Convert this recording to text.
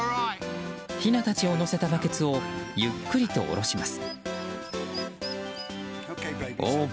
ひなたちを乗せたバケツをゆっくりと下ろします。